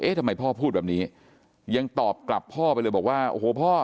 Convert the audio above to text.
ทำไมพ่อพูดแบบนี้ยังตอบกลับพ่อไปเลยบอกว่าโอ้โหพ่อ